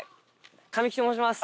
神木と申します。